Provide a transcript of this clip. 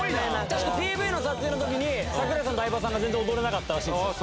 確かＰＶの撮影の時に櫻井さんと相葉さんが全然踊れなかったらしいんですよ。